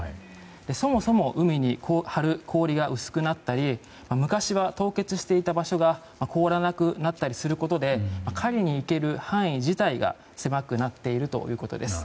そもそも、海に張る氷が薄くなったり昔は凍結していた場所が凍らなくなったりすることで狩りに行ける範囲自体が狭くなっているということです。